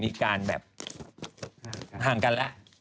มีการแบบห่างกันแล้ว